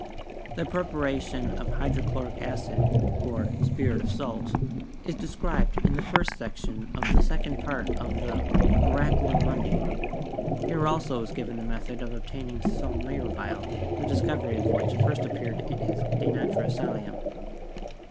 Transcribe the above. The prepa ration of hydrochloric acid, or 'spirit of salt,' is described in the first section of the second part of the 'Miraculum Mundi.' Here also is given the method of obtaining 'sal mirabile,' the discovery of which first appeared in his *De Natura Salium.'